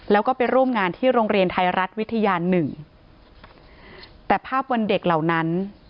แล้วก็ไปร่วมงานที่โรงเรียนไทยรัฐวิทยาหนึ่งแต่ภาพวันเด็กเหล่านั้น